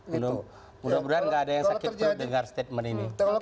mudah mudahan tidak ada yang sakit mendengar statement ini